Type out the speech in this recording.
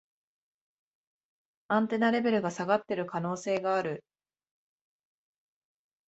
アンテナレベルが下がってる可能性がある